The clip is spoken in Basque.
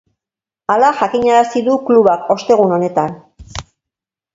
Hala jakinarazi du klubak ostegun honetan.